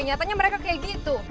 nyatanya mereka kayak gitu